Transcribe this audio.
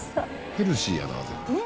ヘルシーやな全部。